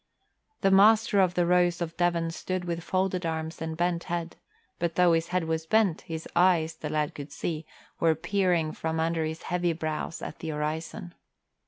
The master of the Rose of Devon stood with folded arms and bent head, but though his head was bent, his eyes, the lad could see, were peering from under his heavy brows at the horizon.